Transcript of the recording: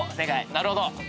なるほど。